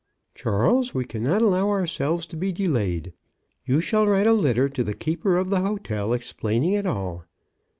" Charles, we cannot allow ourselves to be de layed. You shall write a letter to the keeper of the hotel explaining it all."